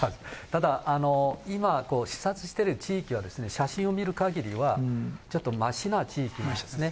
ただ、視察している地域は、写真を見るかぎりは、ちょっとましな地域なんですね。